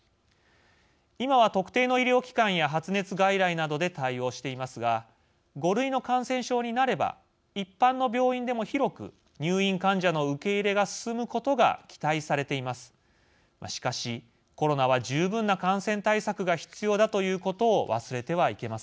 今は、特定の医療機関や発熱外来などで対応していますが５類の感染症になれば一般の病院でも広く入院患者の受け入れが進むことが期待されています。